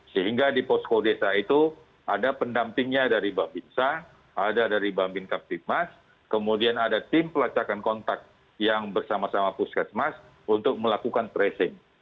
sehingga di posko desa itu ada pendampingnya dari babinsa ada dari babin kaptipmas kemudian ada tim pelacakan kontak yang bersama sama puskesmas untuk melakukan tracing